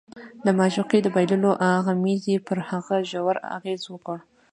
د معشوقې د بایللو غمېزې پر هغه ژور اغېز وکړ